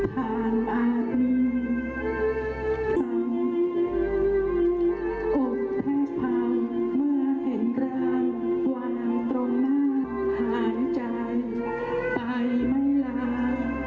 ผ่านอาหรี่ฟังอบแพร่ภังเมื่อเห็นราวางตรงหน้าหายใจไปไม่ลา